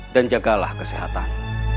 dan jagalah kesehatan